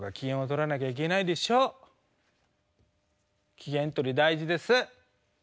機嫌とり大事です。